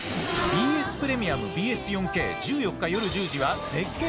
ＢＳプレミアム、ＢＳ４Ｋ１４日夜１０時は「絶景！